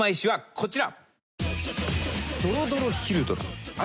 こちら。